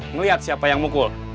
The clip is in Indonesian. ngelihat siapa yang mukul